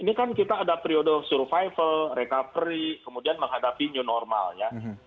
ini kan kita ada periode survival recovery kemudian menghadapi new normal ya